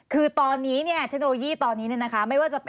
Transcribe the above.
คือมีเทคโนโลยีตอนนี้นะ